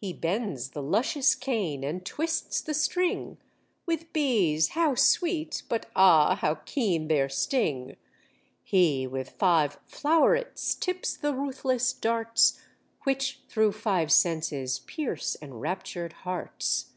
"He bends the luscious cane and twists the string With bees: how sweet! but ah! how keen their sting, He with five flowerets tips the ruthless darts Which through five senses pierce enraptured hearts."